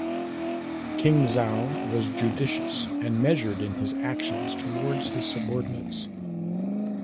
King Zhao was judicious and measured in his actions toward his subordinates.